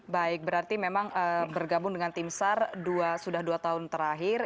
baik berarti memang bergabung dengan tim sar sudah dua tahun terakhir